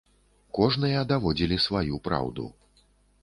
Кожныя даводзілі сваю праўду.